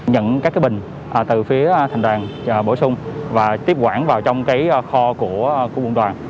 nhận các cái bình từ phía thành đoàn bổ sung và tiếp quản vào trong cái kho của quân đoàn